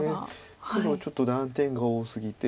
黒はちょっと断点が多すぎて。